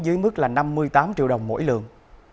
dưới mức là năm mươi tám triệu đồng mỗi lượng